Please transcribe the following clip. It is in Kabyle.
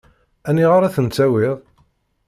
Aniɣer ad ten-tawiḍ?